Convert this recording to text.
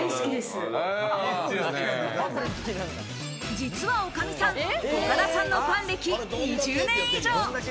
実は女将さん、岡田さんのファン歴２０年以上。